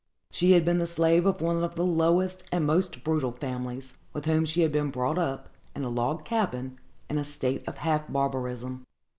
She had been the slave of one of the lowest and most brutal families, with whom she had been brought up, in a log cabin, in a state of half barbarism.